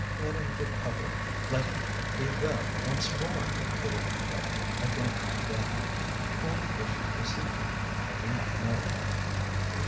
'Let him recover, let him be well once more!' the woman cried, again and again. Whom was she beseeching? I do not know.